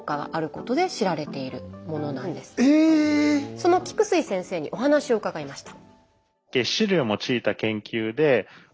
その菊水先生にお話を伺いました。